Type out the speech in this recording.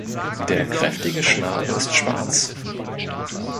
Der kräftige Schnabel ist schwarz.